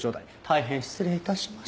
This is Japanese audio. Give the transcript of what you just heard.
大変失礼致しました。